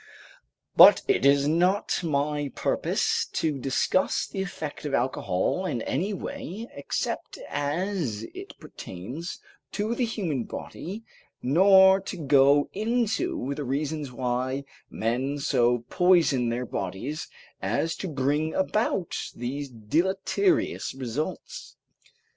But it is not my purpose to discuss the effect of alcohol in any way except as it pertains to the human body, nor to go into the reasons why men so poison their bodies as to bring about these deleterious results.